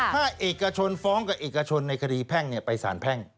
ถ้าเอกชนฟ้องกับเอกชนในคดีแพ่งไปสารแพ่ง